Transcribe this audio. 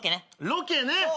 ロケね。